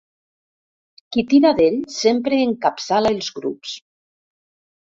Qui tira d'ell sempre encapçala els grups.